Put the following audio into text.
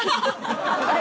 あれ？